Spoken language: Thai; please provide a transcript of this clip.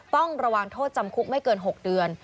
ต้องระวังโทษจำคุกไม่เกิน๖เดือน